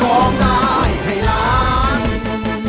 โหงได้ให้ร้าง